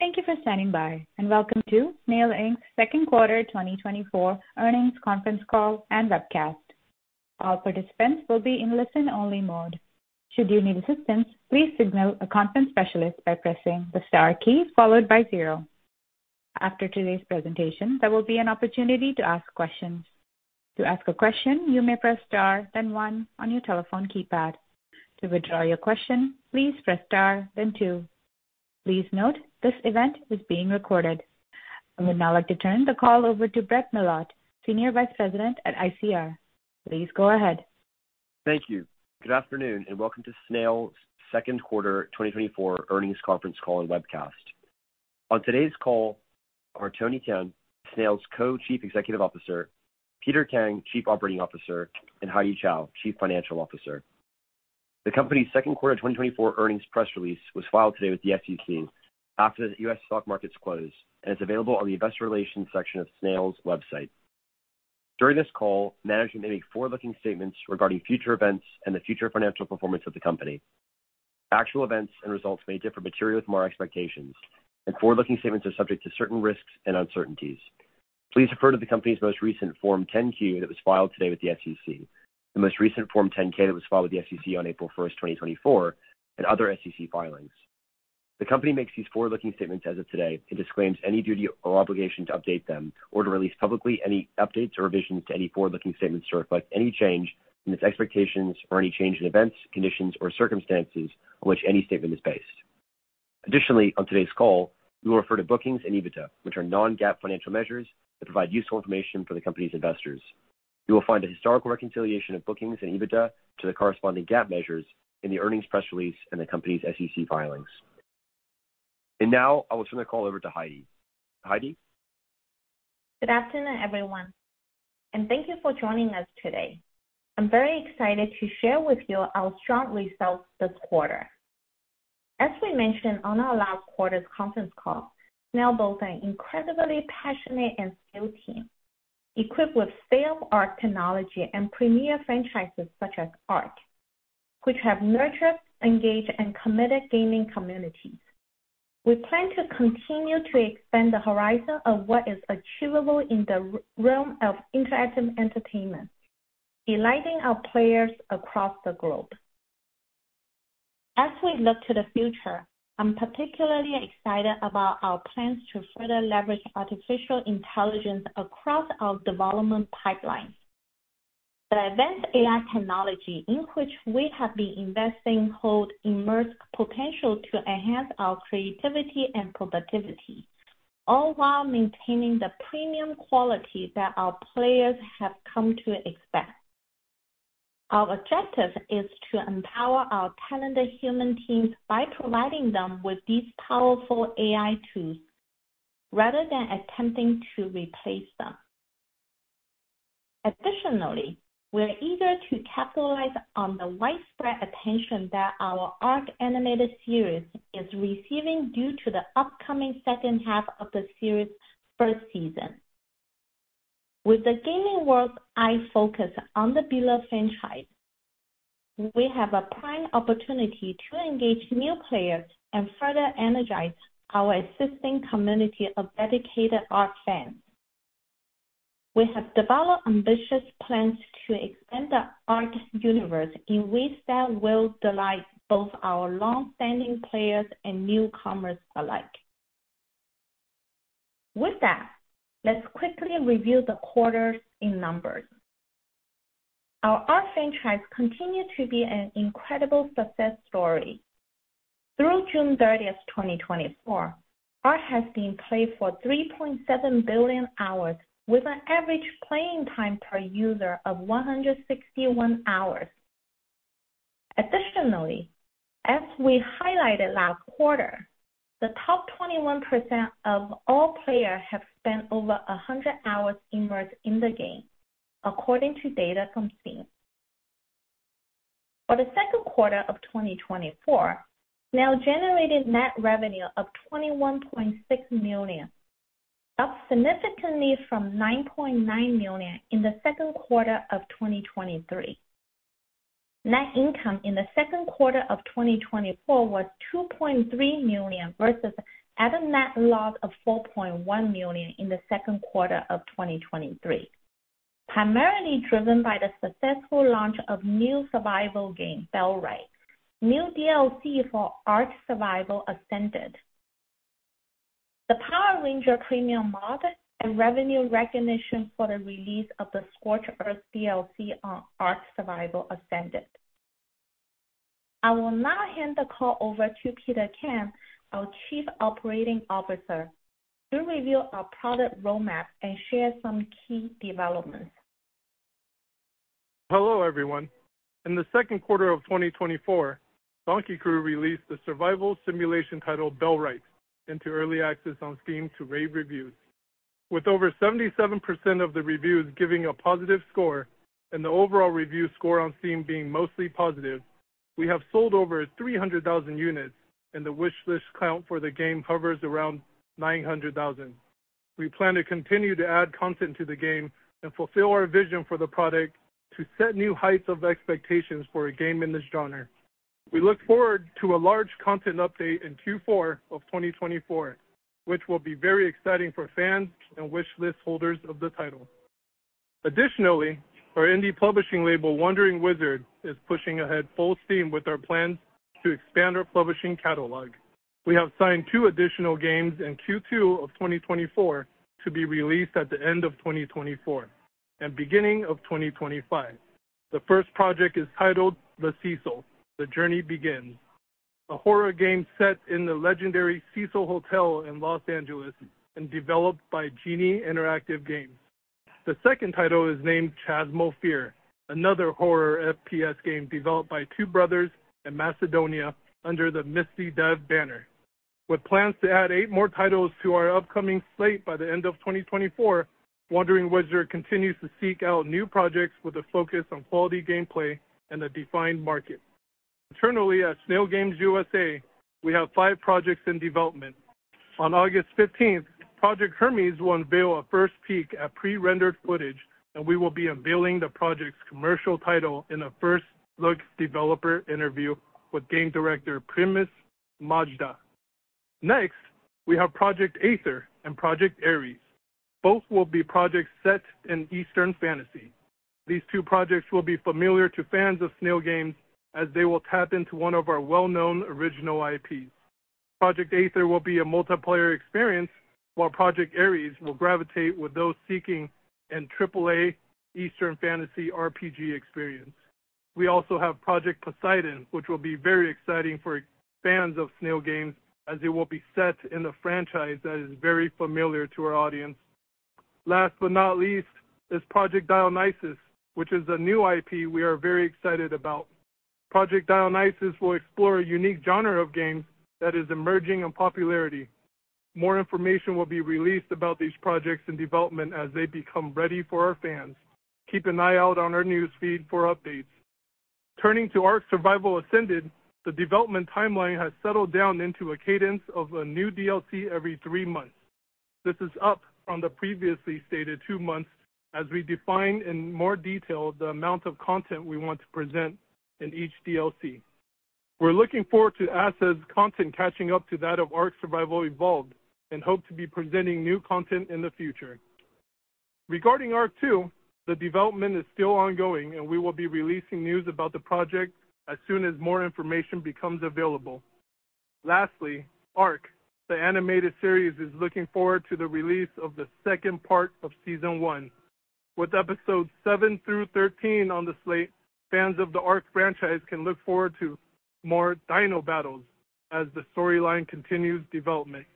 Thank you for standing by, and welcome to Snail, Inc.'s second quarter 2024 earnings conference call and webcast. All participants will be in listen-only mode. Should you need assistance, please signal a conference specialist by pressing the star key followed by zero. After today's presentation, there will be an opportunity to ask questions. To ask a question, you may press star then one on your telephone keypad. To withdraw your question, please press star, then two. Please note, this event is being recorded. I would now like to turn the call over to Brett Milotte, Senior Vice President at ICR. Please go ahead. Thank you. Good afternoon, and welcome to Snail's second quarter 2024 earnings conference call and webcast. On today's call are Tony Chen, Snail's Co-Chief Executive Officer, Peter Kang, Chief Operating Officer, and Heidy Chow, Chief Financial Officer. The company's second quarter 2024 earnings press release was filed today with the SEC after the U.S. stock markets closed, and it's available on the investor relations section of Snail's website. During this call, management may make forward-looking statements regarding future events and the future financial performance of the company. Actual events and results may differ materially with more expectations, and forward-looking statements are subject to certain risks and uncertainties. Please refer to the company's most recent Form 10-Q that was filed today with the SEC. The most recent Form 10-K that was filed with the SEC on April 1, 2024, and other SEC filings. The company makes these forward-looking statements as of today, and disclaims any duty or obligation to update them or to release publicly any updates or revisions to any forward-looking statements to reflect any change in its expectations or any change in events, conditions, or circumstances on which any statement is based. Additionally, on today's call, we will refer to bookings and EBITDA, which are non-GAAP financial measures that provide useful information for the company's investors. You will find a historical reconciliation of bookings and EBITDA to the corresponding GAAP measures in the earnings press release and the company's SEC filings. And now I will turn the call over to Heidy. Heidy? Good afternoon, everyone, and thank you for joining us today. I'm very excited to share with you our strong results this quarter. As we mentioned on our last quarter's conference call, Snail builds an incredibly passionate and skilled team, equipped with state-of-the-art technology and premier franchises such as ARK, which have nurtured, engaged, and committed gaming communities. We plan to continue to expand the horizon of what is achievable in the realm of interactive entertainment, delighting our players across the globe. As we look to the future, I'm particularly excited about our plans to further leverage artificial intelligence across our development pipeline. The advanced AI technology in which we have been investing, hold immense potential to enhance our creativity and productivity, all while maintaining the premium quality that our players have come to expect. Our objective is to empower our talented human teams by providing them with these powerful AI tools rather than attempting to replace them. Additionally, we're eager to capitalize on the widespread attention that our ARK animated series is receiving due to the upcoming second half of the series' first season. With the gaming world eye focus on the beloved franchise, we have a prime opportunity to engage new players and further energize our existing community of dedicated ARK fans. We have developed ambitious plans to extend the ARK universe in ways that will delight both our long-standing players and newcomers alike. With that, let's quickly review the quarter's numbers. Our ARK franchise continued to be an incredible success story. Through June thirtieth, 2024, ARK has been played for 3.7 billion hours, with an average playing time per user of 161 hours. Additionally, as we highlighted last quarter, the top 21% of all players have spent over 100 hours immersed in the game, according to data from Steam. For the second quarter of 2024, Snail generated net revenue of $21.6 million, up significantly from $9.9 million in the second quarter of 2023. Net income in the second quarter of 2024 was $2.3 million versus a net loss of $4.1 million in the second quarter of 2023, primarily driven by the successful launch of new survival game, Bellwright, new DLC for ARK: Survival Ascended. The Power Rangers premium mod and revenue recognition for the release of the Scorched Earth DLC on ARK: Survival Ascended. I will now hand the call over to Peter Kang, our Chief Operating Officer, to review our product roadmap and share some key developments. Hello, everyone. In the second quarter of 2024, Donkey Crew released the survival simulation title, Bellwright, into Early Access on Steam to rave reviews. With over 77% of the reviews giving a positive score and the overall review score on Steam being mostly positive, we have sold over 300,000 units, and the wish list count for the game hovers around 900,000. We plan to continue to add content to the game and fulfill our vision for the product to set new heights of expectations for a game in this genre. We look forward to a large content update in Q4 of 2024, which will be very exciting for fans and wish list holders of the title. Additionally, our indie publishing label, Wandering Wizard, is pushing ahead full steam with our plans to expand our publishing catalog. We have signed two additional games in Q2 of 2024 to be released at the end of 2024 and beginning of 2025. The first project is titled The Cecil: The Journey Begins, a horror game set in the legendary Cecil Hotel in Los Angeles and developed by Genie Interactive Games. The second title is named Chasmos, another horror FPS game developed by two brothers in Macedonia under the Misty Dev banner. With plans to add eight more titles to our upcoming slate by the end of 2024, Wandering Wizard continues to seek out new projects with a focus on quality gameplay and a defined market. Internally, at Snail Games U.S.A., we have 5 projects in development. On August fifteenth, Project Hermes will unveil a first peek at pre-rendered footage, and we will be unveiling the project's commercial title in a first-look developer interview with game director, Primus Majda. Next, we have Project Aether and Project Aries. Both will be projects set in Eastern fantasy. These two projects will be familiar to fans of Snail Games as they will tap into one of our well-known original IPs. Project Aether will be a multiplayer experience, while Project Aries will gravitate with those seeking an AAA Eastern fantasy RPG experience. We also have Project Poseidon, which will be very exciting for fans of Snail Games, as it will be set in a franchise that is very familiar to our audience. Last but not least, is Project Dionysus, which is a new IP we are very excited about. Project Dionysus will explore a unique genre of games that is emerging in popularity. More information will be released about these projects in development as they become ready for our fans. Keep an eye out on our news feed for updates. Turning to ARK: Survival Ascended, the development timeline has settled down into a cadence of a new DLC every three months. This is up from the previously stated two months as we define in more detail the amount of content we want to present in each DLC. We're looking forward to assets content catching up to that of ARK: Survival Evolved, and hope to be presenting new content in the future. Regarding ARK 2, the development is still ongoing, and we will be releasing news about the project as soon as more information becomes available. Lastly, ARK, the animated series, is looking forward to the release of the second part of season 1. With episodes 7-13 on the slate, fans of the ARK franchise can look forward to more dino battles as the storyline continues development.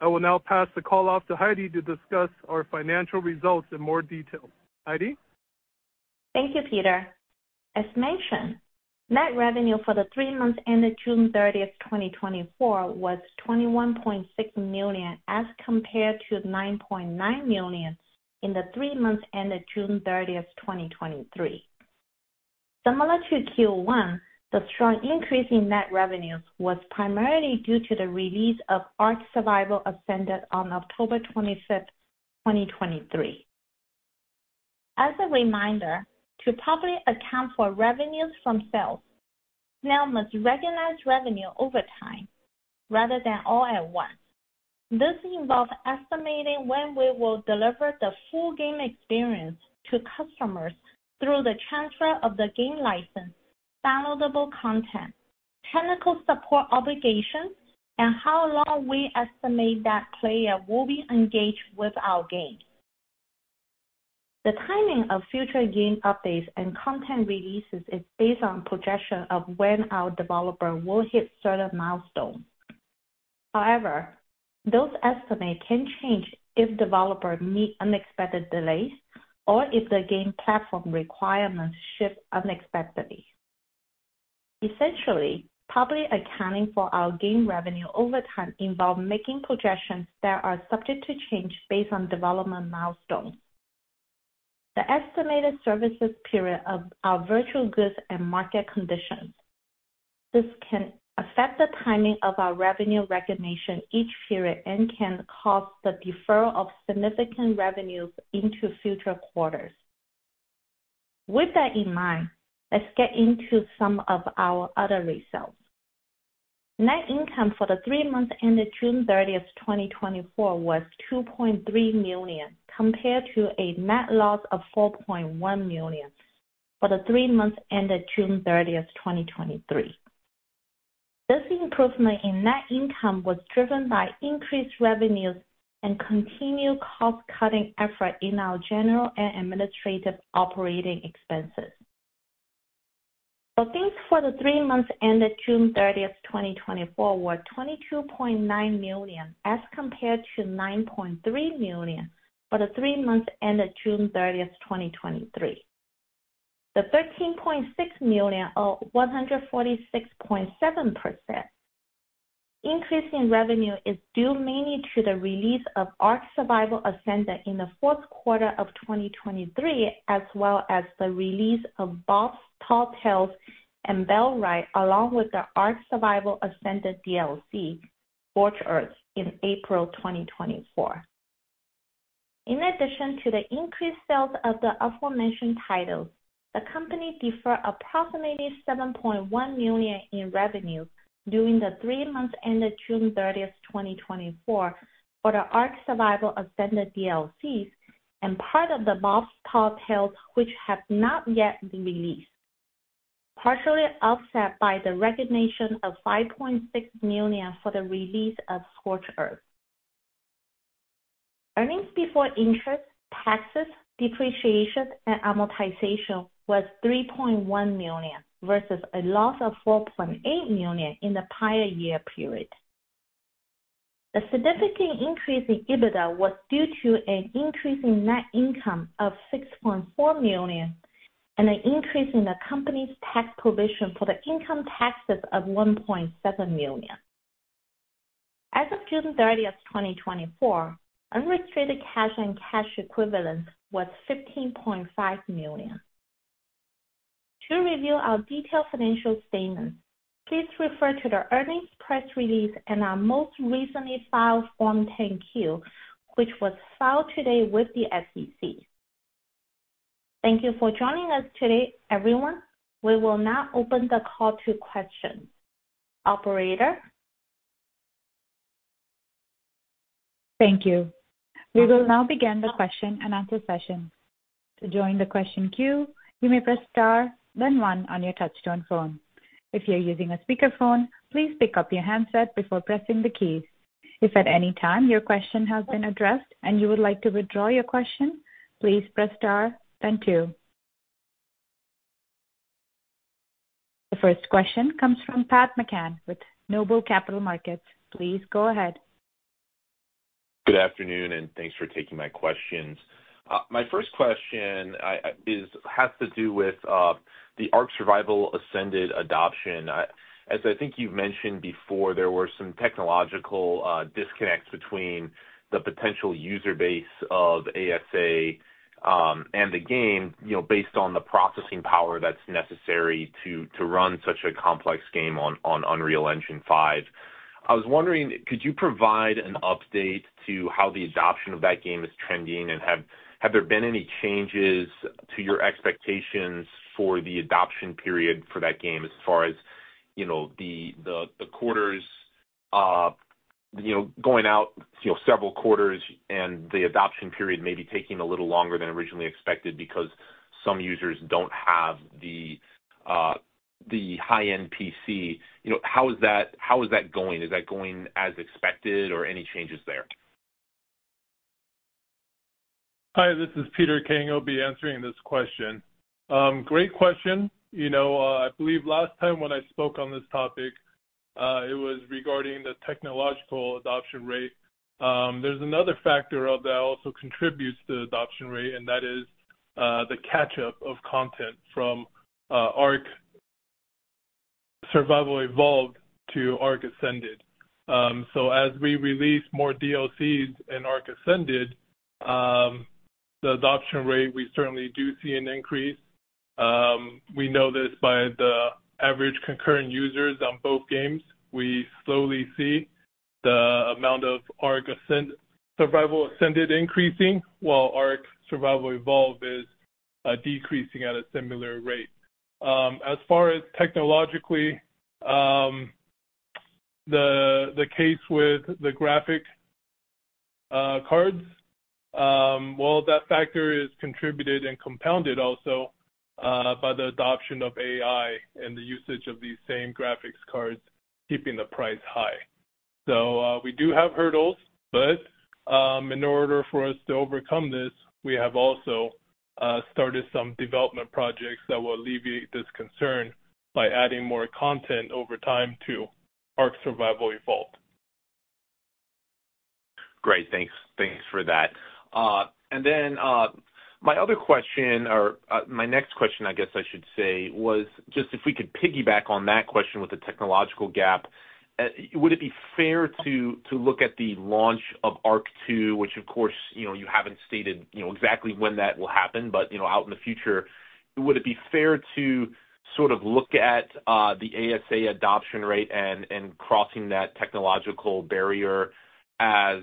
I will now pass the call off to Heidy to discuss our financial results in more detail. Heidy? Thank you, Peter. As mentioned, net revenue for the three months ended June 30, 2024, was $21.6 million, as compared to $9.9 million in the three months ended June 30, 2023. Similar to Q1, the strong increase in net revenues was primarily due to the release of ARK: Survival Ascended on October 25, 2023. As a reminder, to properly account for revenues from sales, Snail must recognize revenue over time rather than all at once. This involves estimating when we will deliver the full game experience to customers through the transfer of the game license, downloadable content, technical support obligations, and how long we estimate that player will be engaged with our game. The timing of future game updates and content releases is based on projection of when our developer will hit certain milestones. However, those estimates can change if developers meet unexpected delays or if the game platform requirements shift unexpectedly. Essentially, properly accounting for our game revenue over time involves making projections that are subject to change based on development milestones, the estimated services period of our virtual goods and market conditions. This can affect the timing of our revenue recognition each period and can cause the deferral of significant revenues into future quarters. With that in mind, let's get into some of our other results. Net income for the three months ended June 30, 2024, was $2.3 million, compared to a net loss of $4.1 million for the three months ended June 30, 2023. This improvement in net income was driven by increased revenues and continued cost-cutting effort in our general and administrative operating expenses. Bookings for the three months ended June 30, 2024, were $22.9 million, as compared to $9.3 million for the three months ended June 30, 2023. The $13.6 million, or 146.7%, increase in revenue is due mainly to the release of ARK: Survival Ascended in the fourth quarter of 2023, as well as the release of Bob's Tall Tales and Bellwright, along with the ARK: Survival Ascended DLC, Scorched Earth, in April 2024. In addition to the increased sales of the aforementioned titles, the company deferred approximately $7.1 million in revenue during the three months ended June 30, 2024, for the ARK: Survival Ascended DLCs and part of the Bob's Tall Tales, which have not yet been released, partially offset by the recognition of $5.6 million for the release of Scorched Earth. Earnings before interest, taxes, depreciation, and amortization was $3.1 million versus a loss of $4.8 million in the prior year period. The significant increase in EBITDA was due to an increase in net income of $6.4 million and an increase in the company's tax provision for the income taxes of $1.7 million. As of June 30, 2024, unrestricted cash and cash equivalents was $15.5 million. To review our detailed financial statements, please refer to the earnings press release and our most recently filed Form 10-Q, which was filed today with the SEC. Thank you for joining us today, everyone. We will now open the call to questions. Operator? Thank you. We will now begin the question and answer session. To join the question queue, you may press star then one on your touchtone phone. If you're using a speakerphone, please pick up your handset before pressing the keys. If at any time your question has been addressed and you would like to withdraw your question, please press star then two. The first question comes from Pat McCann with Noble Capital Markets. Please go ahead. Good afternoon, and thanks for taking my questions. My first question has to do with the ARK: Survival Ascended adoption. As I think you've mentioned before, there were some technological disconnects between the potential user base of ASA and the game, you know, based on the processing power that's necessary to run such a complex game on Unreal Engine 5. I was wondering, could you provide an update to how the adoption of that game is trending? And have there been any changes to your expectations for the adoption period for that game as far as, you know, the quarters, you know, going out, you know, several quarters and the adoption period may be taking a little longer than originally expected because some users don't have the high-end PC. You know, how is that, how is that going? Is that going as expected or any changes there? Hi, this is Peter Kang. I'll be answering this question. Great question. You know, I believe last time when I spoke on this topic, it was regarding the technological adoption rate. There's another factor out there that also contributes to the adoption rate, and that is, the catch-up of content from, ARK: Survival Evolved to ARK: Survival Ascended. So as we release more DLCs in ARK: Survival Ascended, the adoption rate, we certainly do see an increase. We know this by the average concurrent users on both games. We slowly see the amount of ARK: Survival Ascended increasing, while ARK: Survival Evolved is, decreasing at a similar rate. As far as technologically, the case with the graphic cards, well, that factor is contributed and compounded also by the adoption of AI and the usage of these same graphics cards, keeping the price high. So, we do have hurdles, but, in order for us to overcome this, we have also started some development projects that will alleviate this concern by adding more content over time to ARK: Survival Evolved. Great, thanks. Thanks for that. And then, my other question, or, my next question I guess I should say, was just if we could piggyback on that question with the technological gap? Would it be fair to look at the launch of ARK 2, which of course, you know, you haven't stated, you know, exactly when that will happen, but, you know, out in the future, would it be fair to sort of look at the ASA adoption rate and crossing that technological barrier as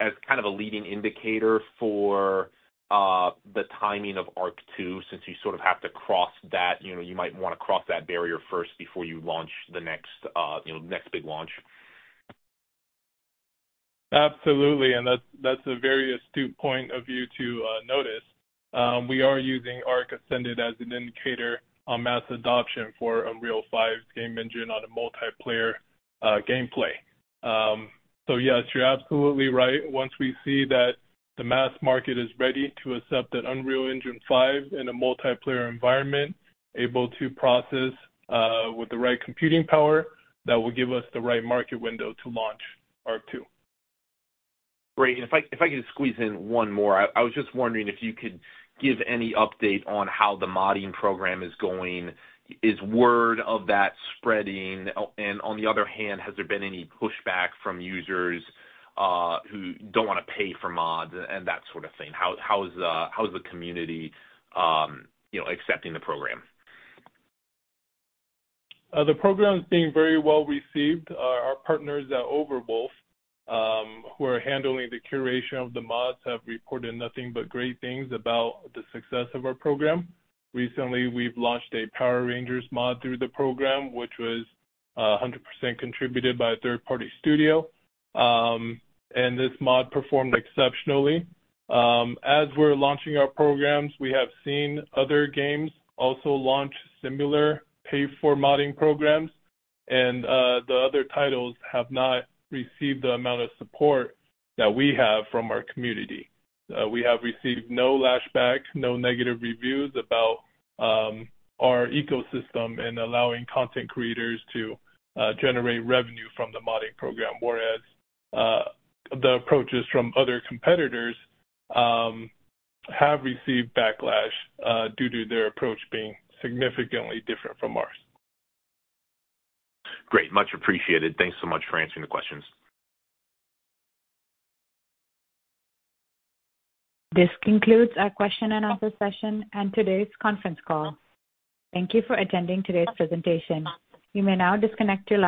kind of a leading indicator for the timing of ARK 2, since you sort of have to cross that, you know, you might wanna cross that barrier first before you launch the next, you know, next big launch? Absolutely, and that's a very astute point of view to notice. We are using ARK Ascended as an indicator on mass adoption for Unreal Engine 5 game engine on a multiplayer gameplay. So yes, you're absolutely right. Once we see that the mass market is ready to accept that Unreal Engine 5 in a multiplayer environment, able to process with the right computing power, that will give us the right market window to launch ARK 2. Great. And if I could just squeeze in one more. I was just wondering if you could give any update on how the modding program is going. Is word of that spreading? And on the other hand, has there been any pushback from users who don't want to pay for mods and that sort of thing? How is the community, you know, accepting the program? The program is being very well received. Our partners at Overwolf, who are handling the curation of the mods, have reported nothing but great things about the success of our program. Recently, we've launched a Power Rangers mod through the program, which was 100% contributed by a third-party studio. This mod performed exceptionally. As we're launching our programs, we have seen other games also launch similar pay-for-modding programs, and the other titles have not received the amount of support that we have from our community. We have received no backlash, no negative reviews about our ecosystem and allowing content creators to generate revenue from the modding program. Whereas, the approaches from other competitors have received backlash due to their approach being significantly different from ours. Great, much appreciated. Thanks so much for answering the questions. This concludes our question and answer session and today's conference call. Thank you for attending today's presentation. You may now disconnect your line.